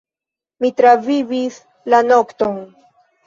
Mi travivis la nokton!